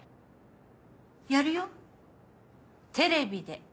やるよテレビで。